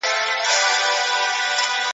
يوناني پوهانو د دولت پر چارو تمرکز کاوه.